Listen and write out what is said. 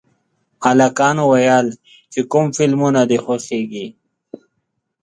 هلکانو ویل چې کوم فلمونه دي خوښېږي